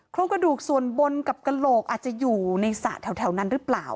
โครงกระดูกส่วนบนกับกระโหลกอาจจะอยู่ในสระแถวนั้นหรือเปล่า